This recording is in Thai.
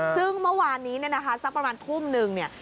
ซึ่งเมื่อวานนี้เนี่ยนะคะสักประมาณทุ่มนึงเนี่ย